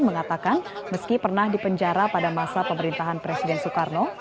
mengatakan meski pernah dipenjara pada masa pemerintahan presiden soekarno